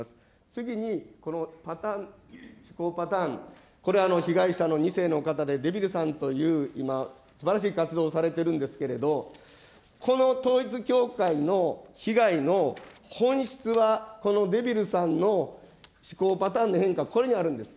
次に、このパターン、思考パターン、これ、被害者の２世の方でデビルさんという、今、すばらしい活動をされてるんですけれども、この統一教会の被害の本質はこのデビルさんの思考パターンの変化、これにあるんです。